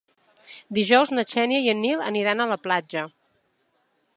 Dijous na Xènia i en Nil aniran a la platja.